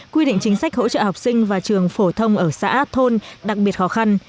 quy định chính sách hỗ trợ học sinh và trường phổ thông ở xã thôn đặc biệt khó khăn